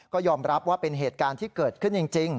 ก็ยอมรับว่าเป็นเหตุการณ์ที่เกิดขึ้นจริง